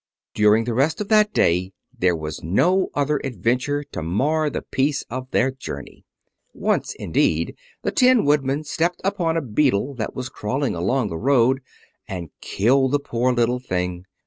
During the rest of that day there was no other adventure to mar the peace of their journey. Once, indeed, the Tin Woodman stepped upon a beetle that was crawling along the road, and killed the poor little thing.